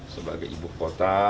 sebagai ibu kota